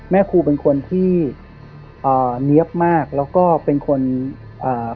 แม่ครูเป็นคนที่อ่าเนี๊ยบมากแล้วก็เป็นคนอ่า